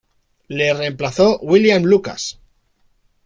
Le reemplazó William Lucas.